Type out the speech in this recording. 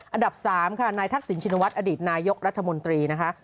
อันดับ๓ค่ะนายทักษิณชินวัฒนอดีตนายกรัฐมนตรีนะคะ